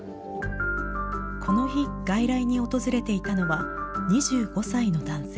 この日、外来に訪れていたのは、２５歳の男性。